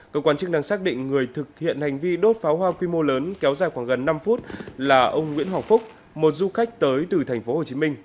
cơ quan chức năng xác định người thực hiện hành vi đốt pháo hoa quy mô lớn kéo dài khoảng gần năm phút là ông nguyễn hoàng phúc một du khách tới từ tp hcm